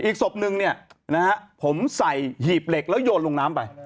อีกศพนึงเนี่ยนะฮะผมใส่หีบเหล็กแล้วโยนลงน้ำไป